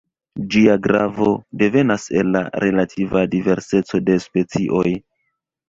Ĝia gravo devenas el la relativa diverseco de specioj.